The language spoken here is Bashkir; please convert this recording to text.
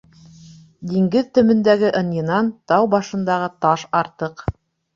Диңгеҙ төбөндәге ынйынан тау башындағы таш артыҡ.